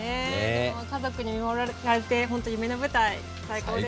でも家族に見守られてほんと夢の舞台最高でした。